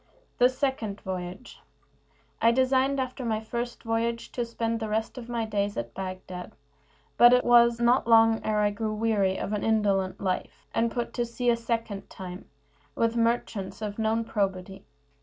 THE SECOND VOYAGE I designed, after my first voyage, to spend the rest of my days at Bagdad, but it was not long ere I grew weary of an indolent life, and I put to sea a second time, with merchants of known probity.